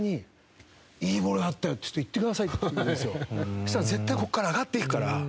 「そしたら絶対ここから上がっていくから」。